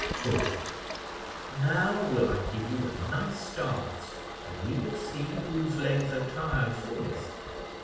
thought Edward; "now will I give you a nice dance, and we will see whose legs are tired soonest.